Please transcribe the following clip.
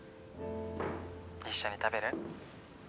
一緒に食べる？